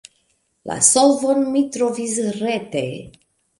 La solvon mi trovis rete.